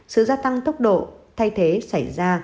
sự gia tăng tốc độ thay thế xảy ra